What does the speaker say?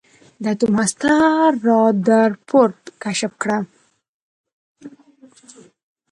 د اتوم هسته رادرفورډ کشف کړه.